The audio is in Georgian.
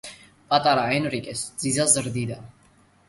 პატარა ენრიკეს ძიძა ზრდიდა.